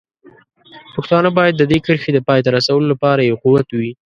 پښتانه باید د دې کرښې د پای ته رسولو لپاره یو قوت وي.